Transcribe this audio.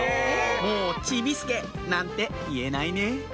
もうちびすけなんて言えないね